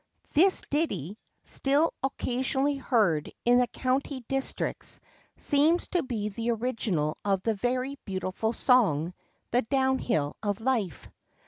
[THIS ditty, still occasionally heard in the country districts, seems to be the original of the very beautiful song, The Downhill of Life.